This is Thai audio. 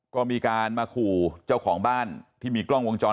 ก็มีการมาขู่เจ้าของบ้านที่มีกล้องวงจร